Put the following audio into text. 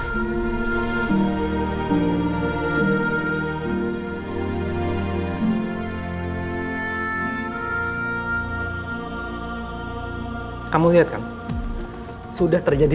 gimana kamu pikir apa yang akan terjadi